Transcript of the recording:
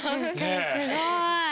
すごい。